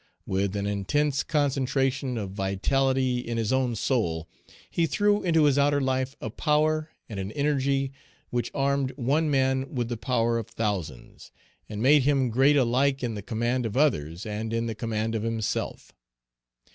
With an intense concentration of vitality in his own soul, he threw into his outer life a power and an energy which armed one man with the power of thousands, and made him great alike in the command of others and in the command of himself.